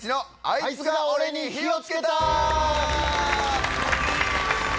『アイツが俺に火をつけた』。